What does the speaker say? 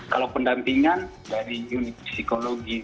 kalau pendampingan dari unit psikologi